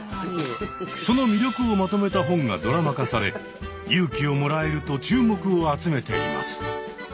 その魅力をまとめた本がドラマ化され勇気をもらえると注目を集めています。